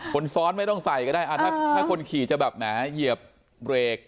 คนซ้อนไม่ต้องใส่ก็ได้ถ้าคนขี่จะแบบแหมเหยียบเบรก